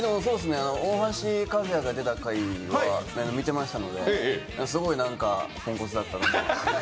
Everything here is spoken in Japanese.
大橋和也が出た回は見てましたのですごいポンコツだったなと。